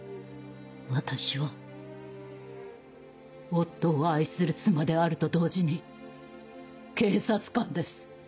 私は夫を愛する妻であると同時に警察官です。